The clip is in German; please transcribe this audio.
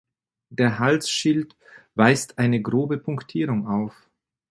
Der Halsschild weist eine grobe Punktierung auf.